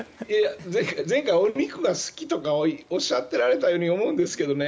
前回お肉が好きとかおっしゃっていられたように思うんですけどね。